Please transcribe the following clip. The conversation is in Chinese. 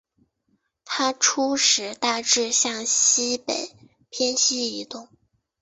它初时大致向西北偏西移动。